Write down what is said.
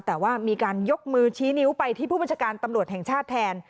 แต่ว่ามีการยกมือชี้นิ้วไปที่ผู้บัญชาการตำรวจแห่งชาติแทน